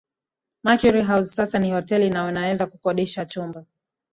Mercury House sasa ni hoteli na unaweza kukodisha chumba